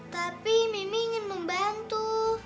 tapi mimi ingin membantu